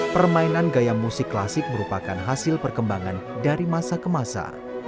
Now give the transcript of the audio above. permainan gaya musik klasik merupakan hasil perkembangan dari masa ke masa